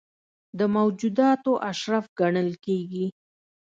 د موجوداتو اشرف ګڼل کېږي.